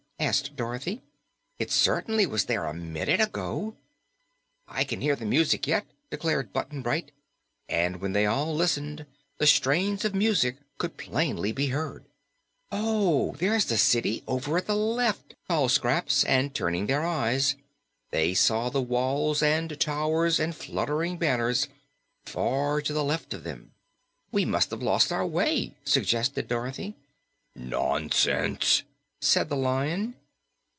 asked Dorothy. "It cert'nly was there a minute ago." "I can hear the music yet," declared Button Bright, and when they all listened, the strains of music could plainly be heard. "Oh! There's the city over at the left," called Scraps, and turning their eyes, they saw the walls and towers and fluttering banners far to the left of them. "We must have lost our way," suggested Dorothy. "Nonsense," said the Lion.